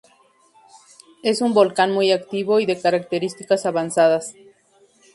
Es un volcán muy activo y de características avanzadas.